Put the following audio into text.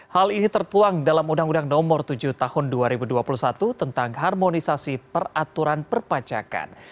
hal ini tertuang dalam undang undang nomor tujuh tahun dua ribu dua puluh satu tentang harmonisasi peraturan perpajakan